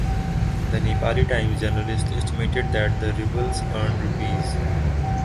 The "Nepali Times" journalists estimated that the rebels earned Rs.